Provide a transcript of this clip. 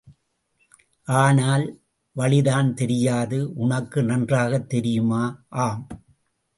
ஆனால் வழிதான் தெரியாது! உனக்கு நன்றாகத் தெரியுமா ஆம்!